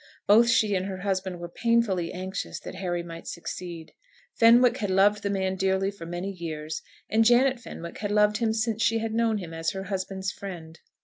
Both she and her husband were painfully anxious that Harry might succeed. Fenwick had loved the man dearly for many years, and Janet Fenwick had loved him since she had known him as her husband's friend.